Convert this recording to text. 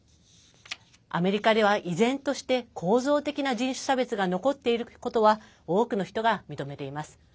アメリカでは依然として構造的な人種差別が残っていることは多くの人が認めています。